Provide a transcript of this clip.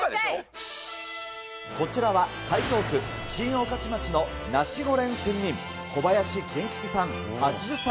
こちらは、台東区新御徒町のナシゴレン仙人、小林賢吉さん８０歳。